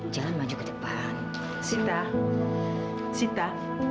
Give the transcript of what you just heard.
jangan maju ketepan sita sita